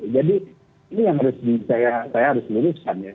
jadi ini yang harus saya luluskan